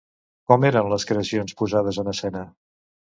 Com eren les creacions posades en escena?